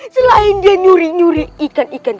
selain dia nyuri nyuri ikan ikan